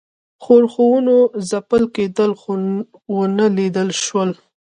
ښورښونو ځپل کېدل نه وه لیده شوي.